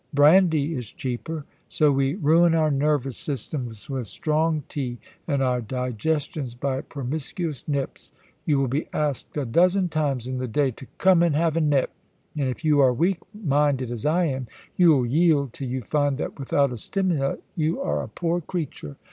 Brandy is cheaper. So we ruin our nervous systems with strong tea, and our digestions by promiscuous nips. You will be asked a dozen times in the day to " come and have a nip ;" and if you are weak minded, as I am, you'll yield till you find that without a stimulant you are a poor creature.